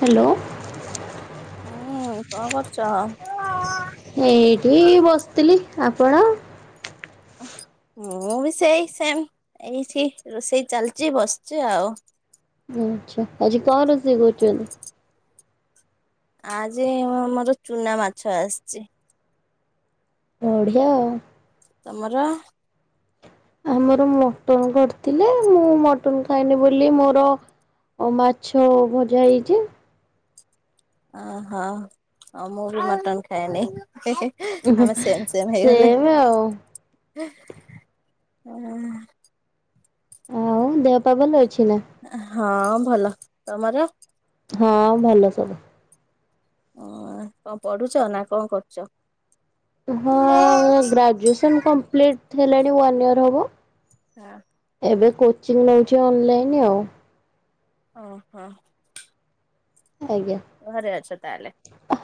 Hello. ହୁଁ, କଣ କରୁଛ? ଏଇଠି ବସିଥିଲି। ଆପଣ? ମୁଁ ବି ସେଇ ସେମ୍ ଏଇଠି ରୋଷେଇ ଚାଲିଛି ବସିଛି ଆଉ। ଆଚ୍ଛା ଆଜି କଣ ରୋଷେଇ କରୁଛନ୍ତି? ଆଜି ମର ଚୁନା ମାଛ ଆସିଛି। ବଢିଆ ଆଉ। ତମର? ଆମର ମଟନ କରିଥିଲେ ମୁଁ ମଟନ ଖାଇନି ବୋଲି ମୋର ଓ ମାଛ ଭଜା ହେଇଛି। ଅହୋ ଆଉ ମୁଁ ବି ମଟନ୍ ଖାଏନି ହେ ହେ। ଆମେ ସେମ୍ ସେମ୍ ହେଇଗଲେ। ସେମ ଆଉ। ଆଉ ଦେହ ପା ଭଲ ଅଛି ନା? ହଁ ଭଲ। ତମର? ହଁ ଭଲ ସବୁ। ହ କଣ ପଢୁଛ ନା କଣ କରୁଛ? ହଁ ଗ୍ରାଜୁଏସନ କମ୍ପ୍ଲିଟ ହେଲାଣି ୱାନ୍ ଇୟର ହବ। ହଁ। ଏବେ କୋଚିଂ ନେଉଛି ଅନଲାଇନ ଆଉ। ଓହୋ। ଆଜ୍ଞା। ଘରେ ଅଛ ତାହେଲେ।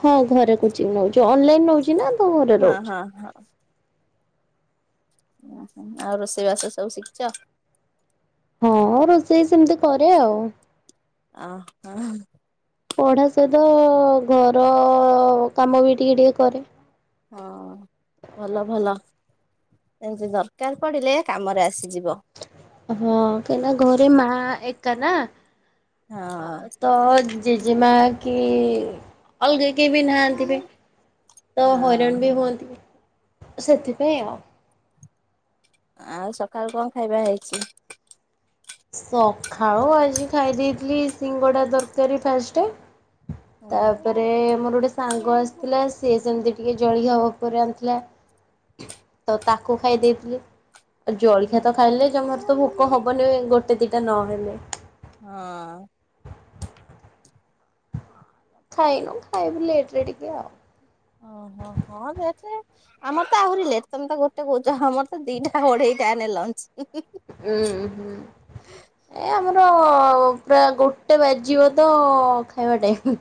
ହଁ ଘରେ କୋଚିଙ୍ଗ ନଉଛି ଅନଲାଇନ ନଉଛି ନା ତ ଘରେ ରହୁଛି। ହ ହଁ। ଓହୋ ଆଉ ରୋଷେଇବାସ ସବୁ ଶିଖିଛ? ହଁ ରୋଷେଇ ସେମିତି କରେ ଆଉ। ଅ ହଁ। ପଢ଼ା ସହିତ ଘର କାମ ବି ଟିକେ ଟିକେ କରେ। ହଁ ଭଲ ଭଲ। ଏମିତି ଦରକାର ପଡ଼ିଲେ କାମରେ ଆସିଯିବ। ହଁ କାଇଁନା ଘରେ ମା ଏକ ନା। ଆ ହଁ ତ ଜେଜେମା କି ଅଲଗା କେହି ବି ନାହାଁନ୍ତି ବି ତ ହଁ ହଇରାଣ ବି ହୁଅନ୍ତି। ସେଥିପାଇଁ ଆଉ। ଆଉ ସକାଳୁ କଣ ଖାଇବା ହେଇଚି? ସଖାଳୁ ଆଜି ଖାଇ ଦେଇଥିଲି ସିଙ୍ଗଡା ଦରକାରୀ ଫାଷ୍ଟେ। ତା ହଁ ପରେ ମୋର ଗୋଟେ ସାଙ୍ଗ ଆସିଥିଲା। ସିଏ ସେମିତି ଟିକେ ଜଳିଖିଆ ଓପରେ ଆଣିଥିଲା ତ ତାକୁ ଖାଇ ଦେଇଥିଲି। ଅ ଜଳଖିଆ ତ ଖାଇଲେ ଜମାରୁ ତ ଭୋକ ହବନି ଗୋଟେ ଦିଟା ନହେଲେ। ହଁ। ଖାଇନୁ ଖାଇବୁ ଲେଟ୍ ରେ ଟିକେ ଆଉ। ଓହୋ ହଁ ଲେଟ୍ ରେ ଆମର ତ ଆହୁରି ଲେଟ୍ ତମେ ତ ଗୋଟେ କହୁଚ ଆମର ତ ଦିଟା ଅଢେଇ ଟା ରେ ଲଞ୍ଚ। ଉଁ ହୁଁ। ଏ ଆମର ପ୍ରାୟ ଗୋଟେ ବାଜିବ ତ ଖାଇବା ଟାଇମ୍।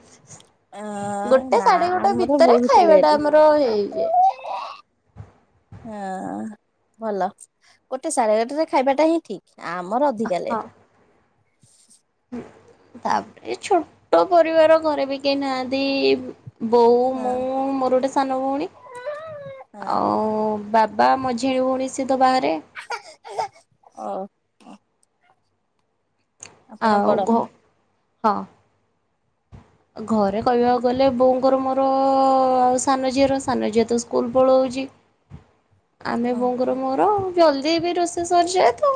ଅଁ ଗୋଟେ ନା ସାଢେ ଗୋଟେ ଆମର ଭିତରେ ବହୁତ ଖାଇବା ଲେଟ। ଟା ଆମର ହେଇଯାଏ। [inaudible] ହଁ ଭଲ ଗୋଟେ ସାଢେ ଗୋଟେରେ ଖାଇବାଟା ହିଁ ଠିକ ଆମର ଅଧିକା ଲେଟ୍। ଉଁ ତା ପରେ ଛୋଟ ପରିବାର ଘରେ ବି କେହି ନାହାଁନ୍ତି। ବୋଉ, ମୁଁ ହଁ। ମୋର ଗୋଟେ ସାନ ଭଉଣୀ ହଁ ଆଉ ବା ପା, ମଝିଆ ଭଉଣୀ ସିଏ ତ ବାହାରେ। ଓ। ଆପଣ ଆଉ ବଡ ଘ ହଁ। ଘରେ କହିବାକ୍ ଗଲେ ବୋଉଙ୍କର ମୋର ଆଉ ସାନ ଝିଅର ସାନ ଝିଅ ତ ସ୍କୁଲ ପଳଉଚି। ଆମେ ଓହୋ ବୋଉଙ୍କର ମୋର ଜଲ୍ଦି ବି ରୋଷେଇ ସରିଯାଏ ତ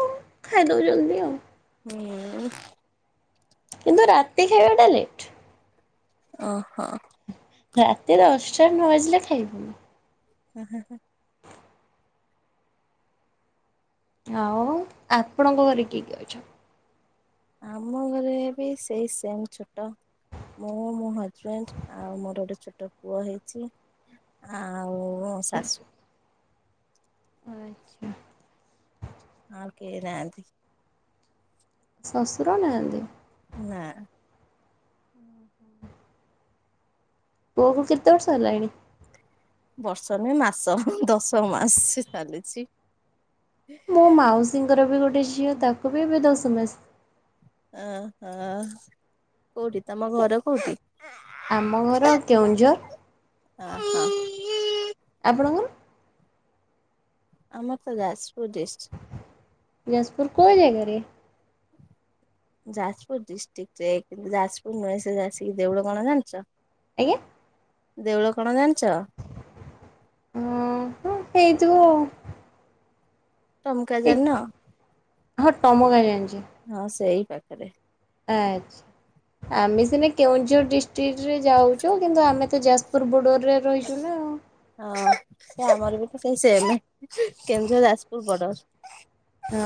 ଖାଇଦଉ ଜଲ୍ଦି ଆଉ। ଉଁ। କିନ୍ତୁ ରାତି ଖାଇବାଟା ଲେଟ୍। ଓହୋ। ରାତି ଦଶଟା ନ ବାଜିଲେ ଖାଇବୁନୁ। ଉଁ ହୁଁ ହୁଁ। ଆଉ ଆପଣଙ୍କ ଘରେ କିଏ କିଏ ଅଛନ୍ତି? ଆମ ଘରେ ବି ସେଇ ସେମ୍ ଛୋଟ। ମୁଁ ମୋ ହଜବେଣ୍ଡ, ଆଉ ମୋର ଗୋଟେ ଛୋଟ ପୁଅ ହେଇଚି। ଆଉ ଶାଶୁ। ଆଚ୍ଛା। ଆଉ କେଇନାହାନ୍ତି। ଶଶୁର ନାହାନ୍ତି? ନା। ପୁଅକୁ କେତେ ବର୍ଷ ହେଲାଣି? ବର୍ଷ ନୁହେଁ ମାସ ଦଶ ମାସ ଚାଲିଚି। ମୋ ମାଉସୀଙ୍କର ବି ଗୋଟେ ଝିଅ ତାକୁ ବି ଏବେ ଦଶ ମାସ। ଆ ହ କୋଉଠି ତମ ଘର କୋଉଠି? ଆମ ଘର କେଉଁଝର। ଆଃହୋ। ଆପଣଙ୍କର? ଆମର ତ ଯାଜପୁର ଡିଷ୍ଟ୍। ଯାଜପୁର କୋଉ ଜାଗାରେ? ଯାଜପୁର ଡିଷ୍ଟିକ୍ ରେ କିନ୍ତୁ ଯାଜପୁର ନୁହେଁ ସେ ଆସିକି ଦେଉଳକଣା ଜାଣିଚ? ଆଜ୍ଞା। ଦେଉଳ କଣ ଜାନିଚ? ଉଁହୁ ହେଇଥିଵ ଆଉ। ଟମକା ଏଇ ଜାଣିନ? ହଁ, ଟମ ଗାଁ ଜାଣିଚି। ହଁ, ସେଇ ପାଖେରେ। ଆଛ୍ ଆମେ ସିନା କେଉଁଝର୍ ଡିଷ୍ଟିକ୍ଟ ରେ ଯାଉଛୁ କିନ୍ତୁ ଆମେ ତ ଯାଜପୁର ବୋଡର ରେ ରହିଚୁ ନା ଆଉ। ହଁ ହେଁ ଆମର ବି ତ ସେହି ସେମେ କେଉଝର ଯାଜପୁର ବୋଡର ହଁ।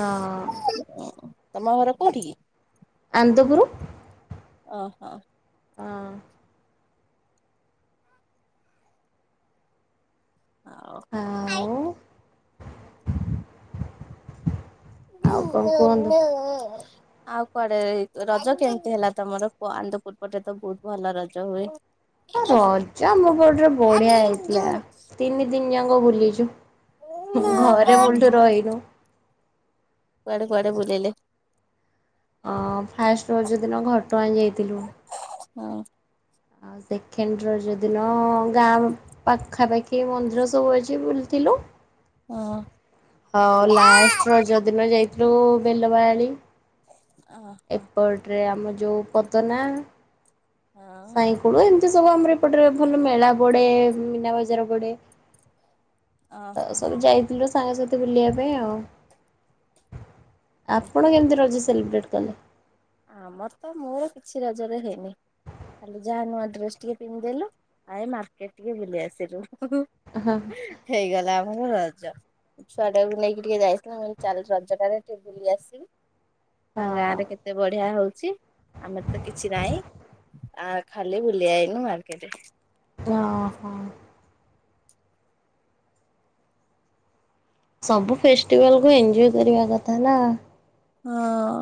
[unintelligible] ତମ ଘର କୋଉଠି କି? ଆନ୍ଦପୁରୁ। ଓହୋ! ହଁ। ଆଉ ହାଆଉ ଇହୁଁ କଣ ନୋ, ନୋ [inaudible] ଆଉ କୁଆଡେ ରଜ କେମତି ହେଲା ତମର କୁଅ? ଆନ୍ଦପୁର ପଟେ ତ ଭୋଉତ୍ ଭଲ ରଜ ହୁଏ। ହଁ, ରଜ ଆମ ପଟରେ ବଢିଆ ହେଇଥିଲା ହଁ ତିନି ଦିନ୍ ଯାକ ବୁଲିଚୁ। ଘରେ ମୁଲଠୁ ରହିନୁ। କୁଆଡେ କୁଆଡେ ବୁଲିଲେ? ଅ ଫାଷ୍ଟ ରଜଦିନ ଘଟଗାଁ ଯାଇଥିଲୁ। [unintelligible] ଆଉ ଆଉ ସେକେଣ୍ଡ ରଜ ଦିନ ଗାଁ ପାଖାପାଖି ମନ୍ଦିର ସବୁ ଅଛି ବୁଲିଥିଲୁ। ହଁ ହଁ ଲାଷ୍ଟ ରଜ ଦିନ ଯାଇଥିଲୁ ବେଲବାହାଳି। ଓହୋ ହଁ ଏପଟରେ ଆମ ଯେଉଁ ପଦନା ସାଇ କୁଳୁ ଏମିତି ସବୁ ଆମର ଏପଟରେ ଭଲ ମେଳା ପଡେ ମୀନା ବଜାର ବଡେ। ଓହୋ ତ ସବୁ ଯାଇଥିଲୁ ସାଙ୍ଗ ସାଥି ବୁଲିବା ପାଇଁ ଆଉ ଆପଣ ଓହୋ କେମିତି ରଜ ସେଲିବ୍ରେଟ୍ କଲେ? ଆମର ତ ମୋର କିଛି ରଜରେ ହେଇନି ଖାଲି ଯାହା ନୂଆ ଡ୍ରେସ ଟିକେ ପିନ୍ଧିଦେଲୁ ଏଇ ମାର୍କେଟ ଟିକେ ବୁଲି ଆସିଲୁ। ହଁଅ ହେଇଗଲା ଆମର ରଜ। ଛୁଆ ଟାକୁ ନେଇକି ଟିକେ ଯାଇଥିଲି ମୁଇ କହିଲି ଚାଲେ ରଜଟାରେ ଟିକେ ବୁଲି ଆସିବୁ। ହଁ ଏତେ ବଢିଆ ହଉଛି ଆମର ତ କିଛି ନାହିଁ ଆ ଖାଲି ବୁଲି ଆଇନୁ ମାର୍କେଟ। ଓହୋ ସବୁ ଫେଷ୍ଟିଭାଲକୁ ଏଞ୍ଜୟ୍ କରିବା କଥା ନା ହଁ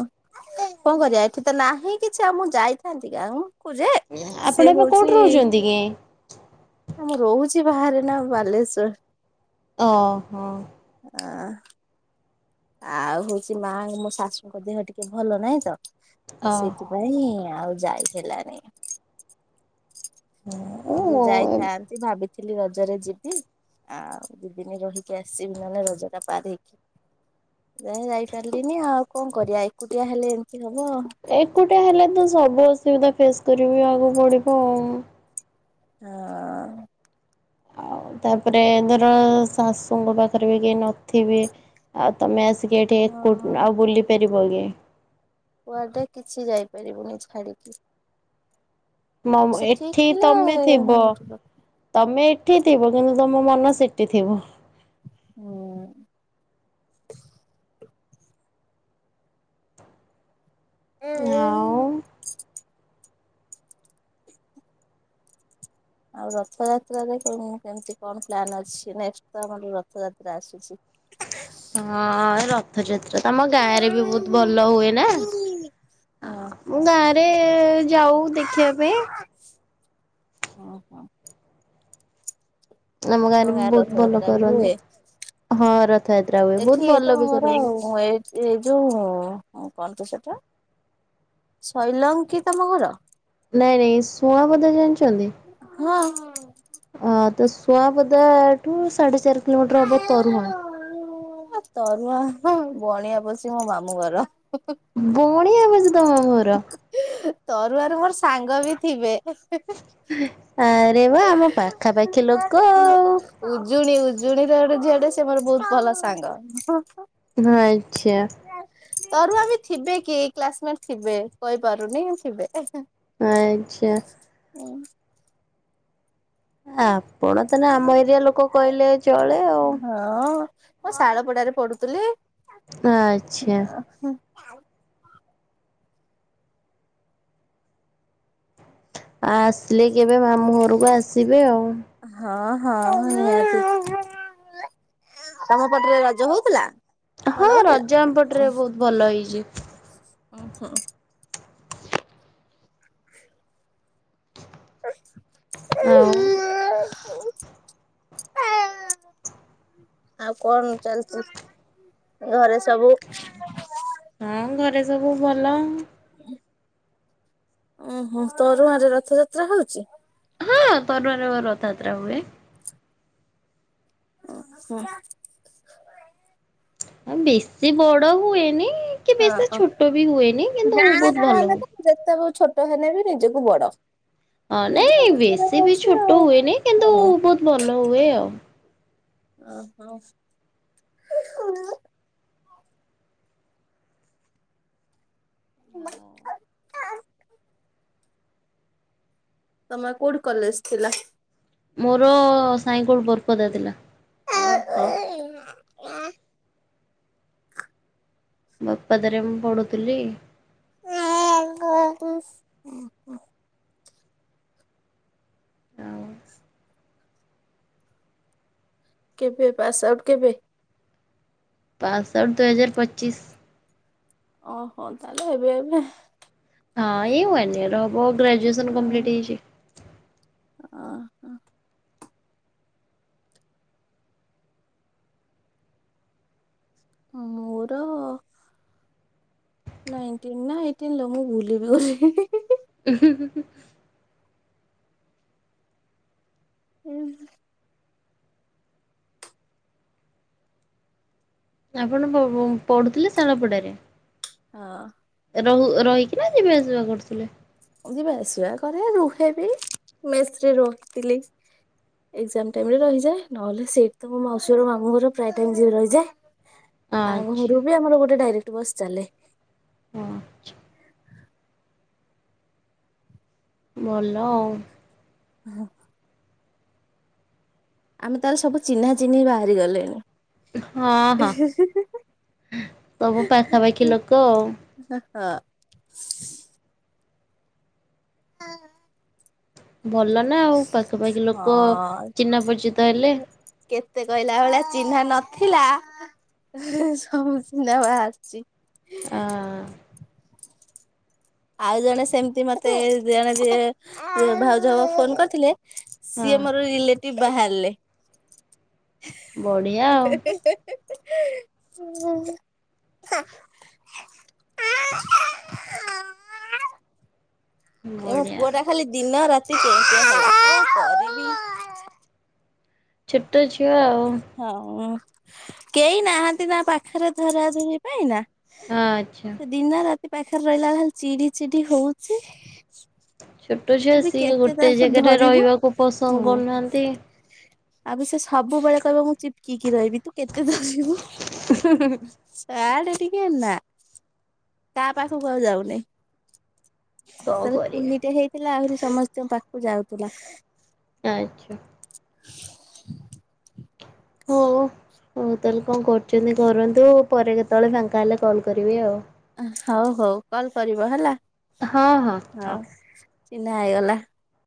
କଣ କରିବା ଏଠି ତ ନାହିଁ କିଛି ଆଉ ମୁଁ ଯାଇଥାନ୍ତି ଗାଁ କୁ କହୁ ଯେ ସେ ହଉଛି [unintelligible] ତିକେ ମୁଁ ରହୁଛି ବାହାରେ ନା ବାଲେଶ୍ଵର ଓହୋ [unintelligible] ଆ ଆଉ ହଉଛି ମାଆ ମୋ ଶାଶୁଙ୍କ ଦେହ ଟିକେ ଭଲ ନାହିଁ ତ ଓହୋ ସେଥିପାଇଁ ଆଉ ଯାଇ ହେଲାନି ଓ ନହେଲେ ଯାଇଥାନ୍ତି ଭାବି ଥିଲି ରଜରେ ଯିବି। ଆଉ ଦିଦିନି ରହିକି ଆସିବି। ନହେଲେ ରଜଟା ପାର ହେଇକି ଯାଇ ଯାଇପାରିଲିନି ଆଉ କଣ କରିବା, ଏକୁଟିଆ ହେଲେ ଏମିତି ହବ ଆଉ। ଏକୁଟିଆ ହେଲେ ତ ସବୁ ଅସୁବିଧା ଫେସ୍ କରାଇବାକୁ ପଡିବ ଆଉ। ହଁ। ଆଉ ତାପରେ ଧର ଶାଶୁଙ୍କ ପାଖରେ ବି କେହି ନଥିବେ ଆଉ ତମେ ଆସ ଏଠି ଏକୁ ହଁ ଆଉ ବୁଲିପାରିବକି କୁଆଡେ କିଛି ଯାଇପାରିବୁନି ଛାଡିକି ଆଉ ସେ ଠିକ ଏଠି ଥିଲେ ତମେ ଥିବ ତମେ ଏଠି ଥିବ କିନ୍ତୁ ତମ ମନ ସେଠି ଥିବ। ହୁଁ। ଆଉ। ଆଉ ରଥଯାତ୍ରାରେ କେମତି କଣ ପ୍ଲାନ୍ ଅଛି? ନେକ୍ସଟ ତ ଆମର ରଥଯାତ୍ରା ଆସୁଛି। ହଁ ର ରଥଯାତ୍ରା ତମ ଗାଁରେ ବି ବହୁତ ଭଲ ହୁଏ ନା ହଁ ହଁ ମୁଁ ଗାଁରେ ରେ ଯାଉ ଦେଖିବା ପାଇଁ ଓହୋ। ଆମ ତମ ବି ଗାଁରେ ବହୁତ ଭଲ ରଥଯାତ୍ରା ବି କରନ୍ତି। ହୁଏ? ହଁ ରଥଯାତ୍ରା ହୁଏ ବହୁତ ଏଠି ଭଲ ତ ବି ମୋର କରନ୍ତି। ଏ ଏ ଯୋଉ କଣ ତ ସେଟା ସୈଲଙ୍ଗ କି ତମ ଘର? ନାଇଁ ନାଇଁ ସୁଆଁବଦା ଜାଣିଛନ୍ତି? ହଁ, ହଁ। ଅ ତ ସୁଆଁପଦା ଠୁ ସାଢେ ଚାରି କିଲୋମିଟର ହବ ତରୁଆଁ। ଓ ତରୁଆଁ, ବଣିଆଁପଶି ମୋ ମାମୁଁ ଘର। ଗଣିଆଁପଶି ତମ ମାମୁଁ ଘର? ତରୁଆଁରେ ମୋର ସାଙ୍ଗ ବି ଥିବେ ଆରେ ବା ଆମ ପାଖାପାଖି ଲୋକ, ଆଉ। ଉଜୁଣୀ ଉଜୁଣୀ ରେ ଗୋଟେ ଝିଅଟେ ସେ ମୋର ବହୁତ ଭଲ ସାଙ୍ଗ। ଆଚ୍ଛା [unintelligible] ତରୁଆଁ ରେ ଥିବେ କିଏ କ୍ଲାସମେଟ୍ ଥିବେ କହିପାରୁନି ଥିବେ। ଆଚ୍ଛା। ହୁଁ। ଆପଣ ତାନେ ଆମ ଏରିଆ ଲୋକ କହିଲେ ଚଳେ ଆଉ। ହଁ ମୁଁ ଶାଳପଡାରେ ପଢୁଥିଲି। ଆଚ୍ଛା। ହୁଁ। ଆ ଆସିଲେ କେବେ ମାମୁଁ ଘରକୁ ଆସିବେ ଆଉ। ହଁ ହଁ, ନିହାତି। ତମ ପଟରେ ରଜ ହଉଥିଲା? ହଁ ଭଲ ହଉଥିଲା? ରଜ ଆମପଟରେ ବୋହୁତ୍ ଭଲ ହେଇଛି। ଉଁ ହୁଁ। ଆଉ। [unintelligible] [unintelligible] ଆଉ କଣ ଚାଲିଛି? ଘରେ ସବୁ ହଁ ଘରେ ସବୁ ଭଲ। ଓହ। ତରୁଆଁ ରେ ରଥଯାତ୍ରା ହଉଛି? ହଁ ତରୁଆଁ ରେ ଆମର ରଥଯାତ୍ରା ହୁଏ। ଓ ହଁ। ବେଶୀ ବଡ ହୁଏନି କି ବେଶୀ ହଁ। ଛୋଟ ବି ହୁଏନି କିନ୍ତୁ ବୋହୁତ୍ ଭଲ ହୁଏ। ଯେତେବି ଛୋଟ ହେନେବି ନିଜକୁ ବଡ। ହଁ ନିଜ ନାଇଁ ଗାଁରେ ବେଶୀ ବି ହଉଚି ଛୋଟ ଆଉ। ହୁଏନି କିନ୍ତୁ ହଁ। ବୋହୁତ ଭଲ ହୁଏ ଆଉ। ଓହୋ। [unintelligible] ତମର କୋଉଠି କଲେଜ ଥିଲା? ମୋର ସାାଇଁକୁଳୁ ବରପଦା ଥିଲା। [unintelligible] ବରପଦାରେ ମୁଁ ପଢୁଥୁଲି। [unintelligible] ଆଉ କେବେ ପାସ୍ ଆଉଟ୍ କେବେ? ପାସ୍ ଆଉଟ୍ ଦୁଇହଜାର ପଚିଶ। ଓହୋ ତାହେଲେ ଏବେ ଏବେ। ହଁ ଏଇ ୱାନ୍ ଇଅର ହବ ଗ୍ରାଜୁଏସନ୍ କମ୍ପଲିଟ୍ ହେଇଚି। ହଁ ମୋର ନାଇଣ୍ଟିନ୍ ନା ଏଇଟିନ୍ ଲୋ ମୁଁ ଭୁଲିବି ଗଲିଣି। ଉଁ ହୁଁ ହୁଁ। ଉଁ ହୁଁ। ଆପଣ ପ-ପୁ-ପଢୁଥିଲେ ଶାଳପଡ଼ାରେ? ହଁ। ରହୁ-ରହିକିନା ନା ଯିବା ଆସିବା କରୁଥିଲେ? ଯିବା ଆସିବା କରେ ରୁହେ ବି ମେସରେ ରହିଥିଲି। ଏଗଜାମ୍ ଟାଇମରେ ରହିଯାଏ ନହେଲେ ସେଇଠି ତ ମୋ ମାଉସୀ ଘର ମାମୁଁ ଘର ପ୍ରାୟେ ଟାଇମ୍ ଯାଇ ରହିଯାଏ। ହ [unintelligible] ଆଉ ଘରୁ ବି ଆମର ଗୋଟେ ଡାଇରେକ୍ଟ ବସ୍ ଚାଲେ। ହଁ। ଭଲ ଆଉ। ଅହଁ। ଆମେ ତାହେଲେ ସବୁ ଚିହ୍ନା ଚିହ୍ନା ବାହାରିଗଲେଣି। ହଁ ଏ ହଁ ହେ ହେ ହେ ସବୁ ହେ ପାଖାପାଖି ହେ। ଲୋକ ଆଉ। ହ ହଁ। ହଁ ଭଲ ନା ଆଉ ପାଖାପାଖି ଲୋକ ହଁ ଚିହ୍ନା ପରିଚିତ ହେଲେ। କେତେ କହିଲା ଭଳିଆ ଚିହ୍ନା ନଥିଲା ସବୁ ଚହ୍ନା ବାହାରୁଚି। ଆଁ ଆଉ ଜଣେ ସେମତି ମତେ ଜଣେ ଯିଏ ଭାଉଜ ହବ ଫୋନ କରିଥିଲେ ହଁ ସିଏ ମୋର ରିଲେଟିଭ ବାହାରଲେ। ବଢିଆ ଆଉ [unintelligible] ହ [unintelligible] [unintelligible] ଏ ମୋ ବଢିଆ ପୁଅଟା ଖାଲି ଦିନ ରାତି କେଁ କେଁ ହେଲା କଣ କରିବି। ଛୋଟ ଛୁଆ ଆଉ। ହୋଉ କେହି ନାହାନ୍ତି ନା ପାଖରେ ଧରା ଧରି ପାଇଁ ନା ଆଚ୍ଛା। ସେ ଦିନରାତି ପାଖରେ ରହିଲାକୁ ଖାଲି ଚିଡିଚିଡି ହୋଉଚି। ଛୋଟ ଛୁଆ ସିଏ ଗୋଟେ ତାକୁ ଜାଗାରେ ଧରିବୁ। ରହିବାକୁ ପସନ୍ଦ କରୁନାହାନ୍ତି। ଆକୁ ସେ ସବୁବେଳେ କହିବ ମୁଁ ଚିପକିକି ରହିବି ତୁ କେତେ ଦୂର ଯିବୁ। ଛାଆଡେ ଟିକେ ନା। ତା ପାଖକୁ ଆଉ ଯାଉନେଇ କଣ ତେଳେ କରିବା। କୁନିଟେ ହେଇ ଥିଲା ଆହୁରି ସମସ୍ତଙ୍କ ପାଖକୁ ଯାଉଥିଲା। ଆଚ୍ଛା। ହଉ ହଉ ତାହେଲେ କଣ କରୁଛନ୍ତି କରନ୍ତୁ ପରେ କେତେବେଳେ ଫାଙ୍କା ହେଲେ କଲ୍ କରିବି ଆଉ। ହଉ ହଉ କଲ କରିବ ହେଲା ହଁ ହଁ ହଉ ଚିହ୍ନା ହେଇଗଲା।